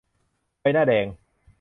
ใบหน้าแดง